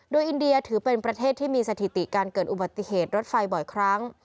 โดยอินเดียถือเป็นประเทศที่มีสถิติการเกิดอุบัติเหตุรถไฟบ่อยครั้ง